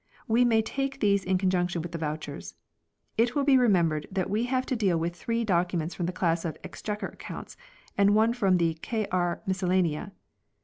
We may take these in conjunction with the vouchers. It will be remem bered that we have to deal with three 2 documents from the class of " Exchequer Accounts" and one from the " K.R. Miscellanea